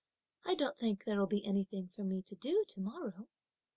I don't think there will be anything for me to do to morrow."